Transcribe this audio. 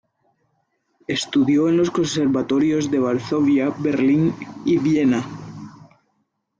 Estudió en los conservatorios de Varsovia, Berlín y Viena.